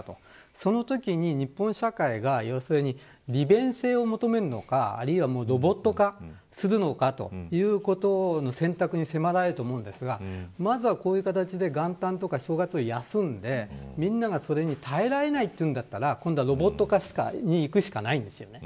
そのときに、日本社会が利便性を求めるのかあるいはロボット化するのかということの選択に迫られると思いますがまずは、こういう形で元旦とか正月は休んでみんながそれに耐えられないというのだったらロボットとかにいくしかないです。